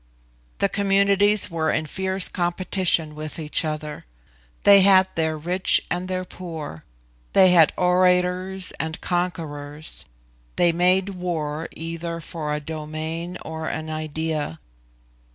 The communities were in fierce competition with each other. They had their rich and their poor; they had orators and conquerors; they made war either for a domain or an idea.